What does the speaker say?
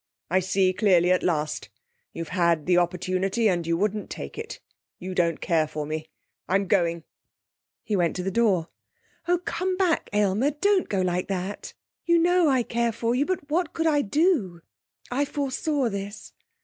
I see clearly at last. You've had the opportunity and you wouldn't take it; you don't care for me. I'm going.' He went to the door. 'Oh, come back, Aylmer! Don't go like that! You know I care for you, but what could I do? I foresaw this...